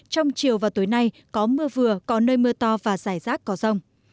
trong chiều và tối nay có mưa vừa có nơi mưa to và rải rác có rông